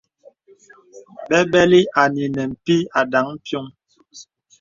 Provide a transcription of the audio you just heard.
Bɛbɛlì à nə̄ nə̀ pìì à dāŋ piɔŋ.